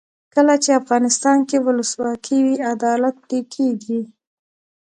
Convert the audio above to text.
کله چې افغانستان کې ولسواکي وي عدالت پلی کیږي.